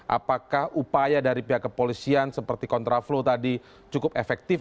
apakah upaya dari pihak kepolisian seperti kontraflow tadi cukup efektif